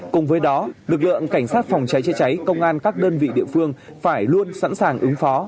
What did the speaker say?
cùng với đó lực lượng cảnh sát phòng cháy chữa cháy công an các đơn vị địa phương phải luôn sẵn sàng ứng phó